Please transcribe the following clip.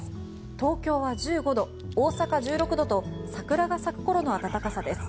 東京は１５度、大阪は１６度と桜が咲くころの暖かさです。